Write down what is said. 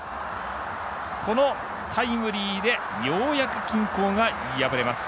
このタイムリーでようやく均衡が破れます。